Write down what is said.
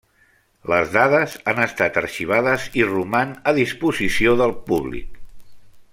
Les dades han estat arxivades i roman a disposició del públic.